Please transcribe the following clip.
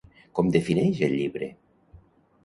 Com defineix el llibre?